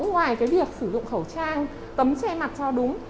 ngoài cái việc sử dụng khẩu trang tấm che mặt cho đúng